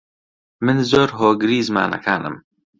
من زۆر هۆگری زمانەکانم.